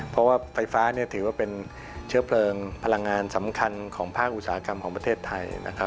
เพราะว่าไฟฟ้าถือว่าเป็นเชื้อเพลิงพลังงานสำคัญของภาคอุตสาหกรรมของประเทศไทย